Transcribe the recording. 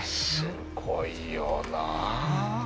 すごいよな。